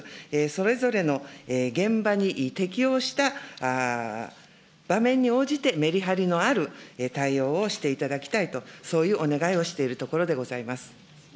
それぞれの現場に適応した場面に応じて、メリハリのある対応をしていただきたいと、そういうお願いをして猪瀬直樹君。